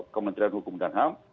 kementerian hukum dan ham